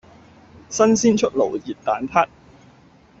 新鮮出爐熱蛋撻